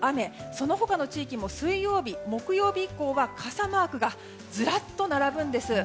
その他の地域も水曜日、木曜日以降は傘マークがずらっと並ぶんです。